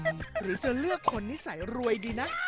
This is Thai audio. หรือจะเลือกคนนิสัยรวยดีนะ